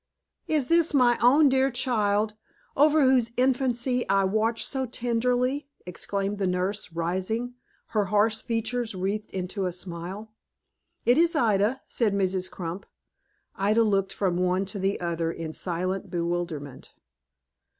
"Is this my own dear child, over whose infancy I watched so tenderly?" exclaimed the nurse, rising, her harsh features wreathed into a smile. "It is Ida," said Mrs. Crump. Ida looked from one to the other in silent bewilderment.